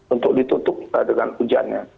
untuk ditutup dengan hujannya